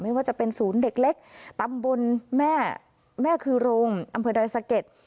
ไม่ว่าจะเป็นศูนย์เด็กเล็กตำบลแม่แม่คือโรงอำเภอดอยสะเก็ด